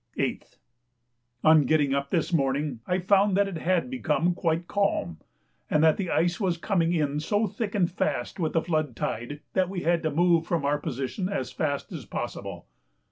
8th. On getting up this morning I found that it had become quite calm, and that the ice was coming in so thick and fast with the flood tide, that we had to move from our position as fast as possible.